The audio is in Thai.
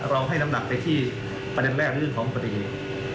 ให้น้ำหนักไปที่ประเด็นแรกเรื่องของปฏิเหตุ